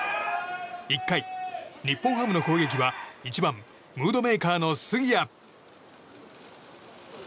１回、日本ハムの攻撃は１番、ムードメーカーの杉谷。